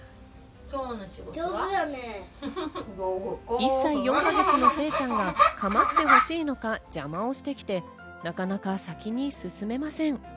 １歳４か月のせいちゃんが構ってほしいのか邪魔をしてきてなかなか先に進めません。